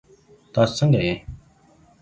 تاسو ځنګه يئ؟